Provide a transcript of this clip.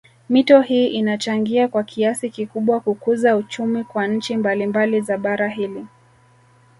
Mito hii inachangia kwa kiasi kikubwa kukuza uchumi kwa nchi mbalimbali za bara hili